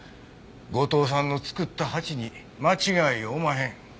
後藤さんの作った鉢に間違いおまへん。